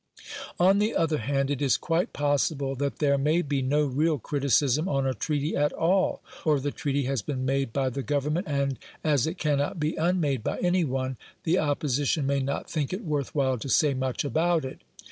On the other hand, it is quite possible that there may be no real criticism on a treaty at all; or the treaty has been made by the Government, and as it cannot be unmade by any one, the Opposition may not think it worth while to say much about it.